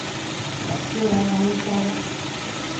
进来玩一下吧